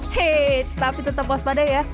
hei tetap puas pada ya